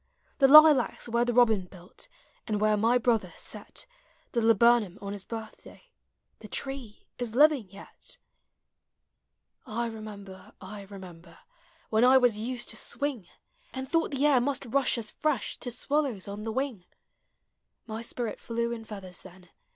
The lilacs where the robin built, And where my brother set The laburnum on his birthday, — The tree is living yet ! 84 POEMS OF IIOME. I remember, I remember Where I was used to swing. And thought the air must rush as fresh To swallows on the wing; Mv spirit dew in feathers then.